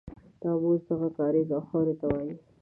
ناموس دغه کاریز او خاورې ته وایي.